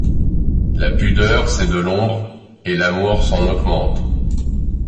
La pudeur, c'est de l'ombre, et l'amour s'en augmente.